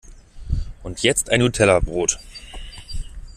Und jetzt ein Nutellabrot!